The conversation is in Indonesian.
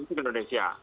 termisi ke indonesia